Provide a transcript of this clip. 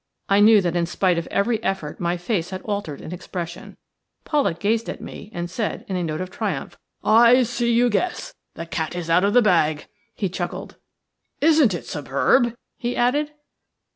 I knew that in spite of every effort my face had altered in expression. Pollak gazed at me and said, in a tone of triumph:– "I see that you guess. The cat is out of the bag." He chuckled. "Isn't it superb?" he added.